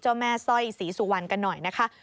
เจ้าแม่สร้อยสีสุวรรค์กันหน่อยนะคะ